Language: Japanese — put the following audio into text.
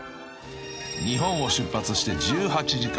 ［日本を出発して１８時間］